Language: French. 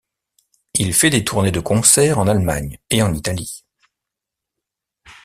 Il fait des tournées de concert en Allemagne et en Italie.